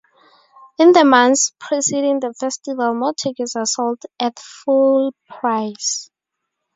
In the months preceding the festival more tickets are sold at full price.